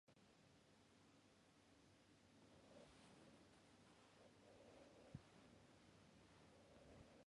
Multiple paternity is common, even within litters, as the females are sexually promiscuous.